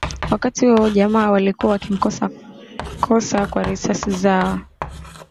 Wakati huo jamaa walikuwa wakimkosa kosa kwa risasi zao